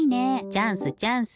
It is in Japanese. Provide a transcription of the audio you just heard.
チャンスチャンス！